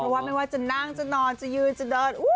ก็จะนั่งจะนอนจะยืนจะเดิน